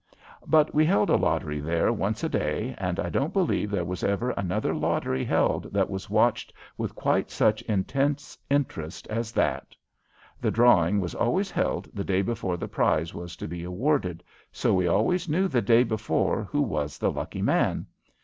But we held a lottery there once a day, and I don't believe there was ever another lottery held that was watched with quite such intense interest as that. The drawing was always held the day before the prize was to be awarded, so we always knew the day before who was the lucky man.